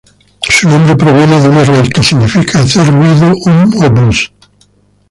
Su nombre proviene de una raíz que significa "hacer ruido, hum o buzz".